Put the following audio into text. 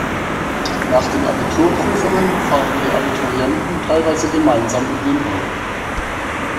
Nach den Abiturprüfungen fahren die Abiturienten teilweise gemeinsam in den Urlaub.